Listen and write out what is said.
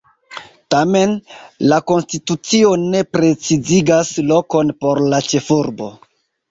Tamen, la konstitucio ne precizigas lokon por la ĉefurbo.